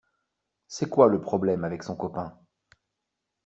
C’est quoi, le problème, avec son copain?